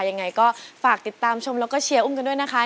ยังไงก็ฝากติดตามชมแล้วก็เชียร์อุ้มกันด้วยนะคะ